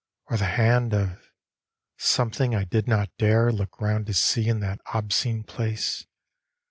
Or the hand of something I did not dare Look round to see in that obscene place?